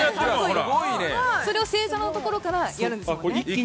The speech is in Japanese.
それを正座のところからやるんですね？